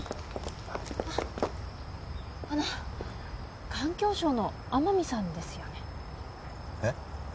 あっあの環境省の天海さんですよねえっ？